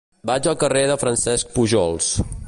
Vaig al carrer de Francesc Pujols.